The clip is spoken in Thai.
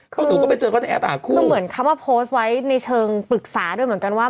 คือเหมือนคำว่าโพสต์ไว้ในเชิงปรึกษาด้วยเหมือนกันว่า